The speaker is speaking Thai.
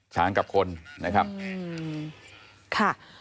ช้างกับคนนะครับ